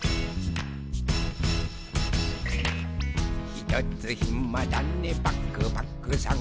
「ひとつひまだねパクパクさん」